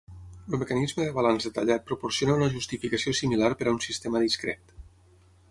El mecanisme de balanç detallat proporciona una justificació similar per a un sistema discret.